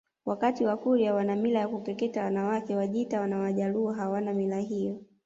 wakati Wakurya wana mila ya kukeketa wanawake Wajita na Wajaluo hawana mila hiyo